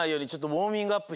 ウォーミングアップ！